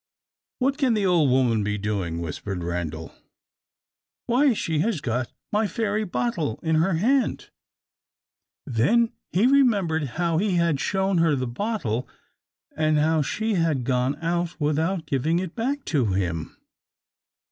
"What can the old woman be doing?" whispered Randal. "Why, she has got my fairy bottle in her hand!" Then he remembered how he had shown her the bottle, and how she had gone out without giving it back to him.